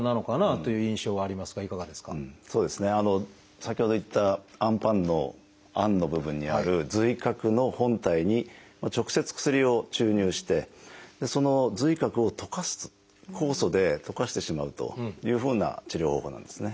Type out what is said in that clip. そうですね先ほど言ったあんパンのあんの部分にある髄核の本体に直接薬を注入してその髄核を溶かす酵素で溶かしてしまうというふうな治療方法なんですね。